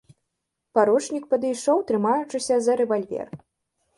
Паручнік падышоў, трымаючыся за рэвальвер.